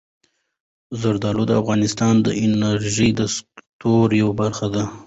زردالو د افغانستان د انرژۍ د سکتور یوه برخه ده.